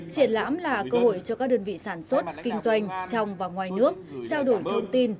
triển lãm là cơ hội cho các đơn vị sản xuất kinh doanh trong và ngoài nước trao đổi thông tin